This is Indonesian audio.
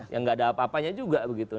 ya nggak ada apa apanya juga begitu